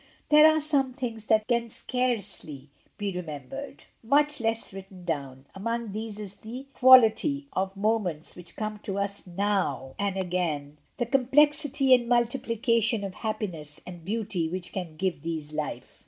There are some things can scarcely be remem :>ered, much less written down; among these is the jviality of moments which come to us now and JUrs. Dymond. //. 7 gS MRS. DYMOND. again, the complexity and multiplication of hap piness and beauty which can give these life.